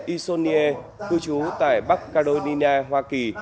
isonier cư chú tại bắc carolina hoa kỳ